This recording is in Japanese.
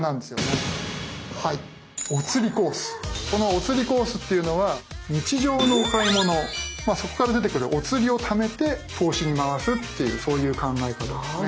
この「おつりコース」っていうのは日常のお買い物まあそこから出てくるおつりをためて投資に回すっていうそういう考え方なんですね。